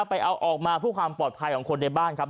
ไปเอาออกมาเพื่อความปลอดภัยของคนในบ้านครับ